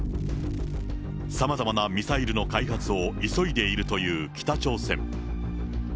さまざまなミサイルの開発を急いでいるという北朝鮮。